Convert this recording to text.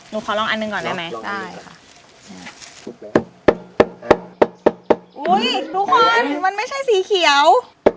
ขอลองอันหนึ่งก่อนได้ไหมได้ค่ะอุ้ยทุกคนมันไม่ใช่สีเขียว